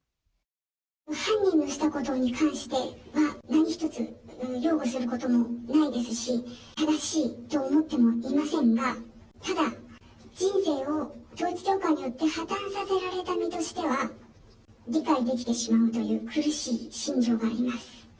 犯人のしたことに関しては、何一つ擁護することもないですし、正しいと思ってもいませんが、ただ、人生を統一教会によって破綻させられた身としては、理解できてしまうという、苦しい心情があります。